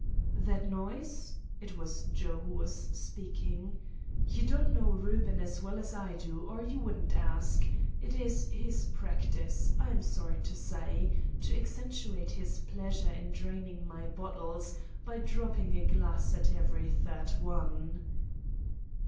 "'That noise?' It was Joe who was speaking. 'You don't know Reuben as well as I do or you wouldn't ask. It is his practice, I am sorry to say, to accentuate his pleasure in draining my bottles, by dropping a glass at every third one.